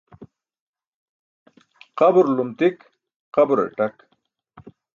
Qaburulum tik qaburar ṭak.